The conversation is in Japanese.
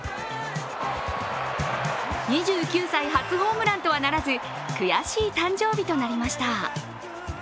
２９歳初ホームランとはならず悔しい誕生日となりました。